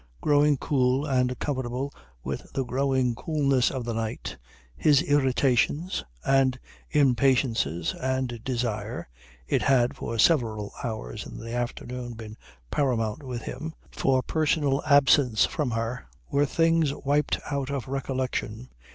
Growing cool and comfortable with the growing coolness of the night, his irritations, and impatiences, and desire it had for several hours in the afternoon been paramount with him for personal absence from her, were things wiped out of recollection.